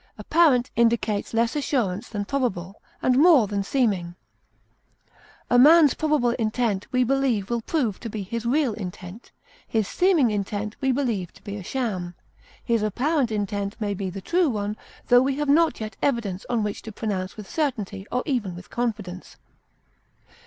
Apparent indicates less assurance than probable, and more than seeming. A man's probable intent we believe will prove to be his real intent; his seeming intent we believe to be a sham; his apparent intent may be the true one, tho we have not yet evidence on which to pronounce with certainty or even with confidence.